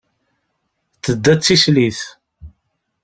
Tedda d tislit.